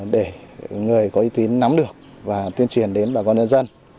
để người có y tín nắm được và tuyên truyền đến bà con nhân dân